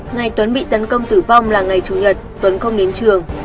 ngày tuấn bị tấn công tử vong là ngày chủ nhật tuấn không đến trường